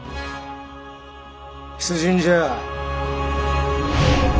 出陣じゃ。